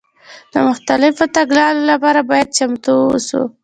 د مختلفو تګلارو لپاره باید چمتو واوسو.